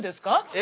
え？